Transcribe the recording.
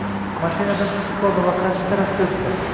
Mashinadan tushib qoldim va qarshi tarafga oʻtdim.